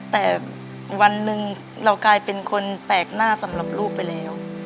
แต่วันหนึ่งเรากลายเป็นคนแปลกหน้าสำหรับลูกไปแล้ว